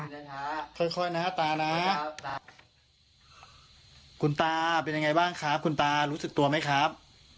ค่อยนะตานะคุณตาเป็นยังไงบ้างครับคุณตารู้สึกตัวไหมครับ